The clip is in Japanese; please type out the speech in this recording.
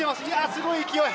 すごい勢い。